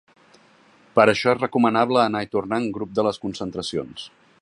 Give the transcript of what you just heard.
Per això és recomanable anar i tornar en grup de les concentracions.